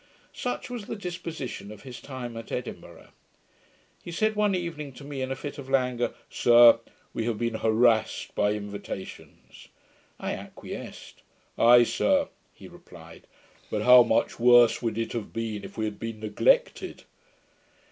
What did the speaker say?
Such was the disposition of his time at Edinburgh. He said one evening to me, in a fit of langour, 'Sir, we have been harrassed by invitations.' I acquiesced. 'Ay, sir,' he replied; 'but how much worse would it have been, if we had been neglected?'